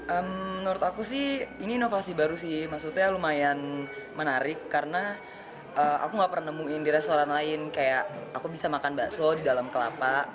menurut aku sih ini inovasi baru sih maksudnya lumayan menarik karena aku gak pernah nemuin di restoran lain kayak aku bisa makan bakso di dalam kelapa